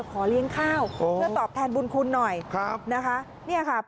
เพื่อตอบแทนบุญคุณหน่อยครับ